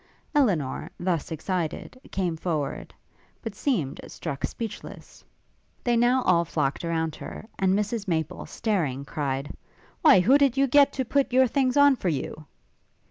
Elinor, thus excited, came forward; but seemed struck speechless. They now all flocked around her; and Mrs Maple, staring, cried, 'Why who did you get to put your things on for you?'